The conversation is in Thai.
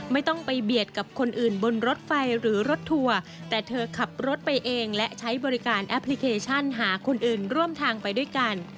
ไม่ต้องไปเบียดกับคนอื่นบนรถไฟหรือรถทัวร์แต่เธอขับรถไปเองและใช้บริการแอปพลิเคชันหาคนอื่นร่วมทางไปด้วยกัน